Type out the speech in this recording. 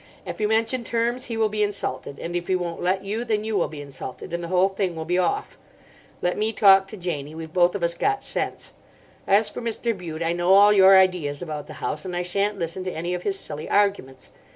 If you mention terms he will be insulted, and if he won't let you then you will be insulted, and the whole thing will be off. Let me talk to Janie. We've both of us got sense. As for Mr. Bute, I know all your ideas about the house, and I sha'n't listen to any of his silly arguments.